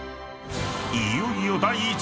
［いよいよ第１位は］